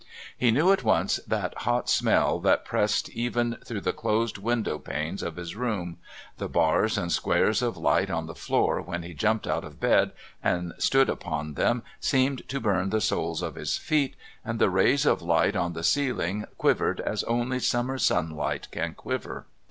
He knew at once that hot smell that pressed even through the closed window panes of his room; the bars and squares of light on the floor when he jumped out of bed and stood upon them seemed to burn the soles of his feet, and the rays of light on the ceiling quivered as only summer sunlight can quiver.